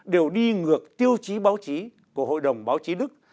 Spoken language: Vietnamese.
đều đi ngược tiêu chí báo chí của hội đồng báo chí đức